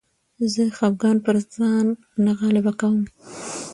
زه خپګان پر ځان نه غالبه کوم.